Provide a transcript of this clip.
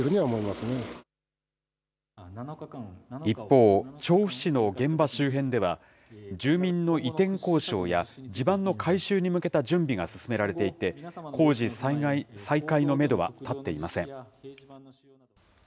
一方、調布市の現場周辺では、住民の移転交渉や地盤の改修に向けた準備が進められていて、工事再開のメドは立っていません。